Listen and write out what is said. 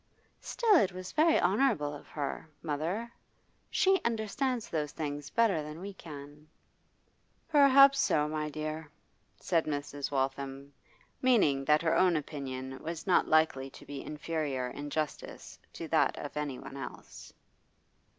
'Still it was very honourable of her, mother. She understands those things better than we can.' 'Perhaps so, my dear,' said Mrs. Waltham, meaning that her own opinion was not likely to be inferior in justice to that of anyone else.